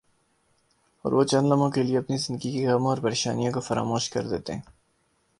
اور وہ چند لمحوں کے لئے اپنی زندگی کے غموں اور پر یشانیوں کو فراموش کر دیتے ہیں ۔